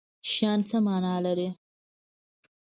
شیان څه معنی لري